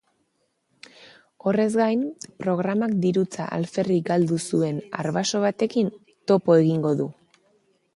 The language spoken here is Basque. Horrez gain, programak dirutza alferrik galdu zuen arbaso batekin topo egingo du.